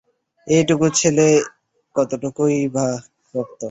ওইটুকু ছেলের কতটুকুই বা রক্ত।